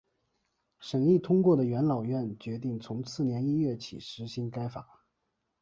审议通过的元老院决定从次年一月起施行该法。